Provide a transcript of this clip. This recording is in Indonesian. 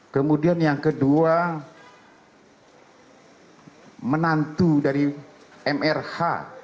kemudian yang kedua menantu dari mrh